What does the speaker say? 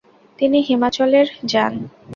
তিনি হিমাচলের যান ।